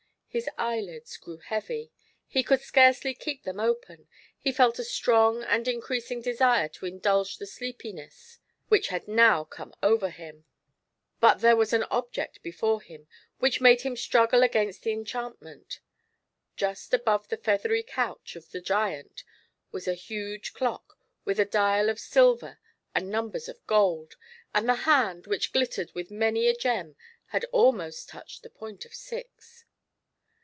His eyelids grew heavy, he could scarcely keep them open, he felt a strong and increasing desire to indulge the sleepiness which had GIANT SLOTH. 33 now come over him. But there was an object before him which made him struggle against the enchantment. Just above the feathery couch of the giant was a huge clock, with a dial of silver and numbers of gold, and the hand, which glittered with many a gem, had almost touched the point of six.